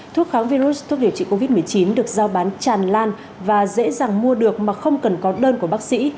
thuốc kháng virus thuốc điều trị covid một mươi chín được giao bán tràn lan và dễ dàng mua được mà không cần có đơn của bác sĩ